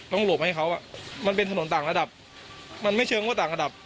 หลบให้เขาอ่ะมันเป็นถนนต่างระดับมันไม่เชิงว่าต่างระดับ